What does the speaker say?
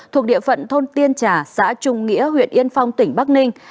thuộc địa phận thôn tiên trà xã trung nghĩa huyện yên phong tỉnh bắc ninh